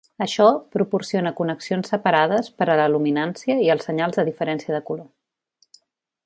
Això proporciona connexions separades per a la luminància i els senyals de diferència de color.